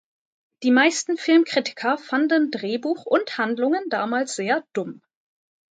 Die meisten Filmkritiker fanden Drehbuch und Handlung damals sehr dumm.